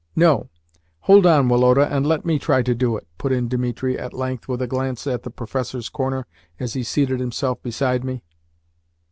"No; hold on, Woloda, and let me try and do it," put in Dimitri at length, with a glance at the professors' corner as he seated himself beside me.